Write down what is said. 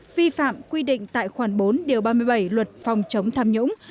vi phạm quy định tại khoản bốn điều ba mươi bảy luật phòng chống tham nhũng